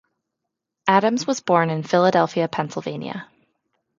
Adams was born in Philadelphia, Pennsylvania.